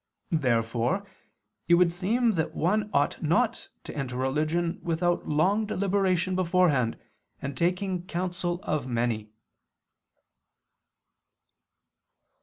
Therefore it would seem that one ought not to enter religion without long deliberation beforehand and taking counsel of many.